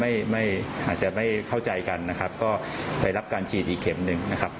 ไม่ไม่อาจจะไม่เข้าใจกันนะครับก็ไปรับการฉีดอีกเข็มหนึ่งนะครับ